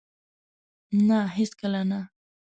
نه! هیڅکله نه